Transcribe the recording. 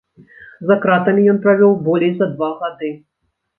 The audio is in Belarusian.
За кратамі ён правёў болей за два гады.